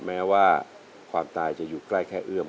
แม้ว่าความตายจะอยู่ใกล้แค่เอื้อม